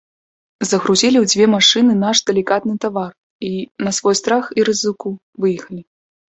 Загрузілі ў дзве машыны наш далікатны тавар і, на свой страх і рызыку, выехалі.